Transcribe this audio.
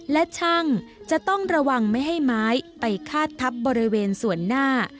และช่างจะต้องระวังไม่ให้ไม้ไปคาดทับบริเวณส่วนหน้า